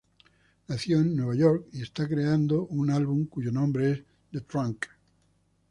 Nació en Nueva York y está creando un álbum cuyo nombre es "The Trunk".